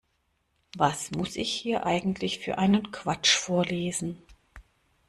Was muss ich hier eigentlich für einen Quatsch vorlesen?